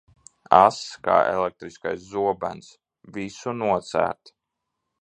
Ass kā elektriskais zobens, visu nocērt.